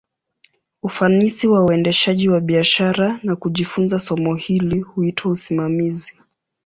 Ufanisi wa uendeshaji wa biashara, na kujifunza somo hili, huitwa usimamizi.